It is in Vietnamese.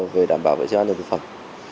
về đảm bảo vệ sinh an toàn thực phẩm